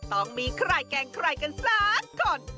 ต้องมีใครแกล้งใครกันสักคน